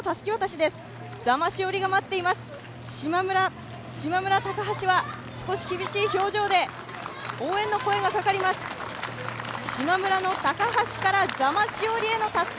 しまむら・高橋は少し厳しい表情で応援の声がかかります。